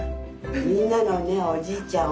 みんなのねおじいちゃん